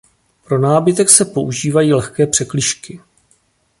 Pro nábytek se používají lehké překližky.